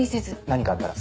何かあったら。